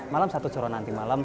malam satu curah nanti malam